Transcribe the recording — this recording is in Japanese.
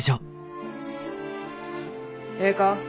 ええか？